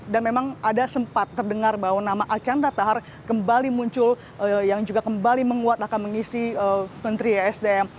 dan memang ada sempat terdengar bahwa nama acan ratahar kembali muncul yang juga kembali menguat akan mengisi menteri sdm